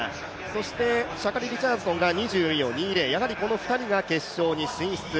そしてシャカリ・リチャードソンが２２秒４０やはりこの２人が決勝に進出。